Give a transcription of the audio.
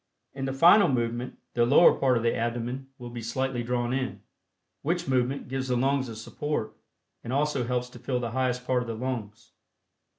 In the final movement, the lower part of the abdomen will be slightly drawn in, which movement gives the lungs a support and also helps to fill the highest part of the lungs.